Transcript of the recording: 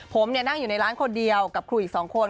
ผมนั่งอยู่ในร้านคนเดียวกับครูอีก๒คน